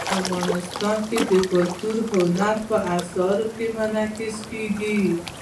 افغانستان کې کلتور د هنر په اثار کې منعکس کېږي.